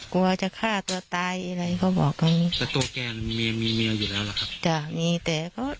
กลัวจะฆ่าตัวตายอะไรก็บอกแบบนี้แต่ตัวแกนมีเมียอยู่แล้วหรอครับจ้ามีแต่ก็